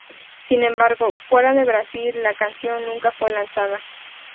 Sin embargo, fuera de Brasil, la canción nunca fue lanzada.